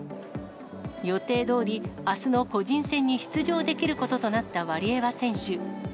予定どおり、あすの個人戦に出場できることとなったワリエワ選手。